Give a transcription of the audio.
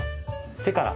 背から？